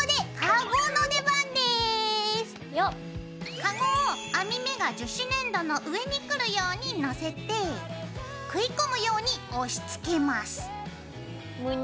カゴを網目が樹脂粘土の上にくるようにのせて食い込むように押しつけます。